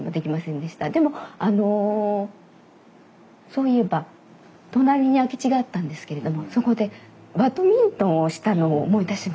でもあのそういえば隣に空き地があったんですけれどもそこでバドミントンをしたのを思い出しました。